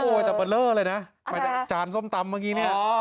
โอ้โหแต่เบอร์เลอร์เลยนะจานส้มตำเมื่อกี้เนี่ย